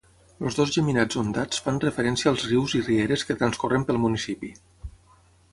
Els dos geminats ondats fan referència als rius i rieres que transcorren pel municipi.